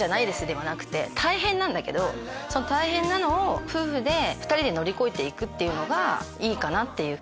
ではなくて大変なんだけどその大変なのを夫婦で２人で乗り越えていくのがいいかなっていう。